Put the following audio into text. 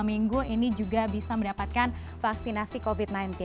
dua minggu ini juga bisa mendapatkan vaksinasi covid sembilan belas